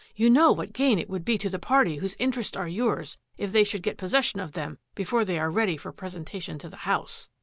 " You know what gain it would be to the party whose interests are yours if they should get possession of them before they are ready for presentation to the House."